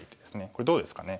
これどうですかね。